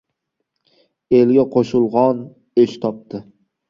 Elga qo‘shulg‘on esh topti.